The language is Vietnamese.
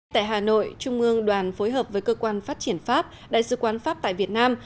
tại hà nội trung ương đoàn phối hợp với cơ quan phát triển pháp đại sứ quán pháp tại việt nam